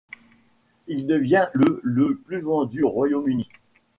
Il devient le le plus vendu au Royaume-Uni.